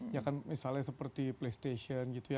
ya kan misalnya seperti playstation gitu ya